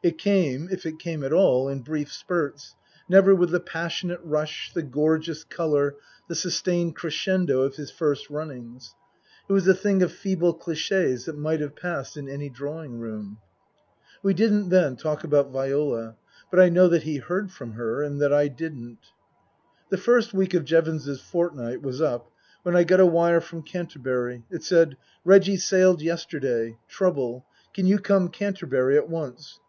It came, if it came at Book I : My Book 83 all, in brief spurts, never with the passionate rush, the gorgeous colour, the sustained crescendo of his first runnings. It was a thing of feeble cliches that might have passed in any drawing room. We didn't, then, talk about Viola. But I know that he heard from her and that I didn't. The first week of Jevons's fortnight was up when I got a wire from Canterbury. It said :" Reggie sailed yesterday. Trouble. Can you come Canterbury at once.